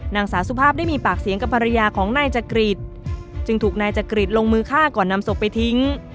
นางสาวสุภาพได้มีปากเสียงกับภรรยาของนายจักริตจึงถูกนายจักริตลงมือฆ่าก่อนนำศพไปทิ้ง